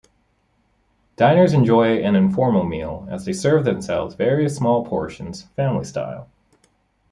Diners enjoy an informal meal as they serve themselves various small portions family style.